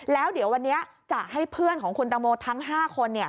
แล้วเดี๋ยววันนี้จะให้เพื่อนของคุณตังโมทั้ง๕คน